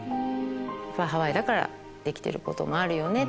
ハワイだからできてることもあるよね。